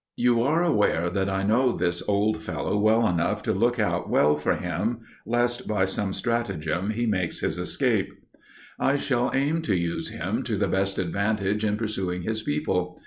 You are aware that I know this old fellow well enough to look out well for him, lest by some stratagem he makes his escape. I shall aim to use him to the best advantage in pursuing his people.